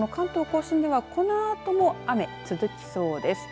甲信ではこのあとも雨、続きそうです。